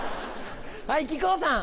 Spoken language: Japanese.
はい木久扇さん。